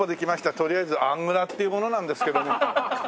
とりあえずアングラっていう者なんですけども。